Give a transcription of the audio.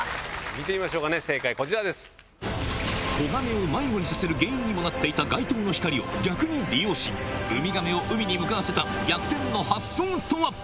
見てみましょう、正解、子ガメを迷子にさせる原因にもなっていた街灯の光を逆に利用し、ウミガメを海に向かわせた逆転の発想とは。